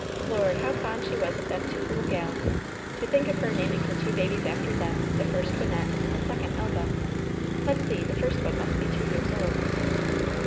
Lord! how fond she was of them two little gals. To think of her naming her two babies after them — ^the first Wynnette and the sec ond Elva. Let's see; the first one must be two years old."